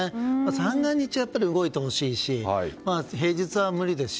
三が日はやっぱり動いてほしいし平日は無理ですし。